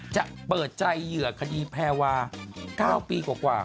จะเปิดใจเหยื่อคดีแพรวา๙ปีกว่า